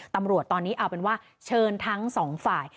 ตำรวจตอนนี้เอาเป็นว่าเชิญทั้งสองฝ่าย